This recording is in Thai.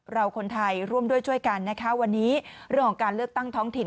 เราคนไทยร่วมด้วยช่วยกันนะคะวันนี้เรื่องของการเลือกตั้งท้องถิ่น